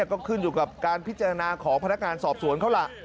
ก็ขึ้นอยู่กับการพิจารณาของพนักงานสอบสวนเขาล่ะ